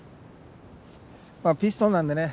まあピストンなんでね